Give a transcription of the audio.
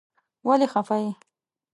ولی خپه یی ؟